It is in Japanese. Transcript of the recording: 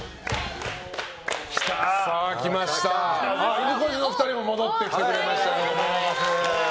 いぬこじのお二人も戻って来てくれました。